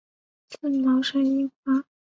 刺毛山樱花